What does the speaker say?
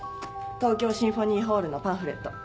東京シンフォニーホ−ルのパンフレット。